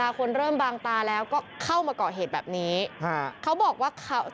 แต่มันก็แอบสงสัยนิดหนึ่ง